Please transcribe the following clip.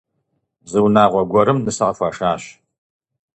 Зы унагъуэ гуэрым нысэ къыхуашащ.